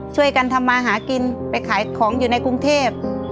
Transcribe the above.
ช่วยกันทำมาหากินไปขายของอยู่ในกรุงเทพ